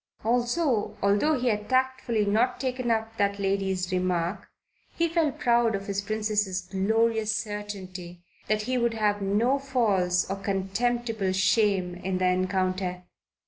Also, although he had tactfully not taken up that lady's remark, he felt proud of his Princess's glorious certainty that he would have no false and contemptible shame in the encounter.